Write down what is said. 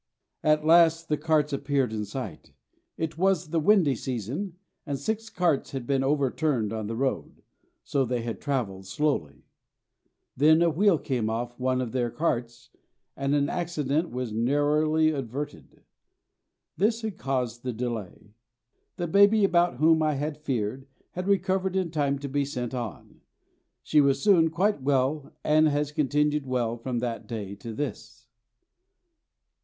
At last the carts appeared in sight. It was the windy season, and six carts had been overturned on the road, so they had travelled slowly. Then a wheel came off one of their carts and an accident was narrowly averted. This had caused the delay. The baby about whom I had feared had recovered in time to be sent on. She was soon quite well, and has continued well from that day to this.